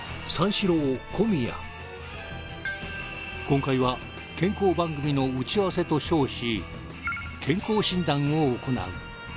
今回は健康番組の打ち合わせと称し健康診断を行う